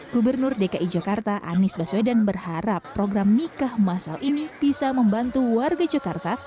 gubernur dki jakarta anies baswedan berharap program nikah masal ini bisa membantu warga jakarta